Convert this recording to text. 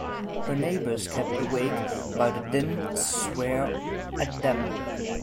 Her neighbours, kept awake by the din, swear at them.